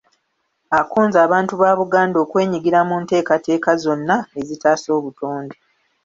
Akunze abantu ba Buganda okwenyigira mu nteekateeka zonna ezitaasa obutonde.